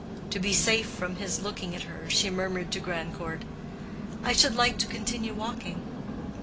To be safe from his looking at her, she murmured to Grandcourt, "I should like to continue walking."